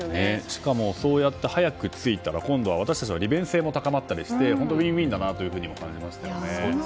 しかも、早く着いたら今度は私たちの利便性も高まったりして、本当にウィンウィンだなと感じました。